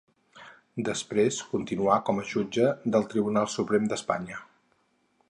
Després continuà com a jutge del Tribunal Suprem d'Espanya.